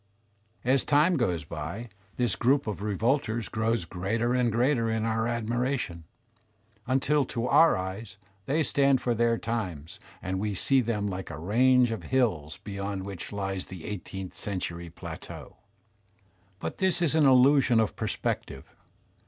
As time goes by, this group of revolters grows greater and greater in our admiration, until to our eyes they stand for their times and we see them hke a range of hills beyond which lies the eighteenth century plateau. But this is an illusion of per spective.